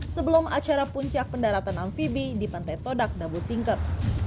sebelum acara puncak pendaratan amfibi di pantai todak dabu singkep